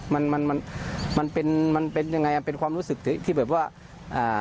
มันมันมันเป็นมันเป็นยังไงอ่ะเป็นความรู้สึกที่ที่แบบว่าอ่า